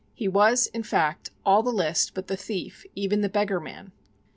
He was, in fact, all the list but the "thief" even the "beggarman."